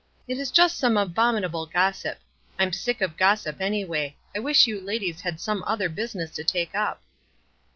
" It is just some abominable gossip. I'm sick of gossip, anyway. I wish you ladies had some other business to take up."